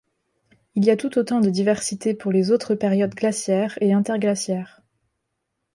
Il y a tout autant de diversité pour les autres périodes glaciaires et interglaciaires...